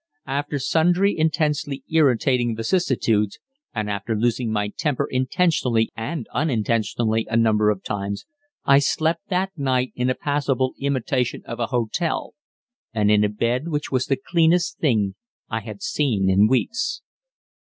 After sundry intensely irritating vicissitudes, and after losing my temper intentionally and unintentionally a number of times, I slept that night in a passable imitation of a hotel, and in a bed which was the cleanest thing I had seen for weeks.